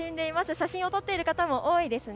写真を撮っている方も多いですね。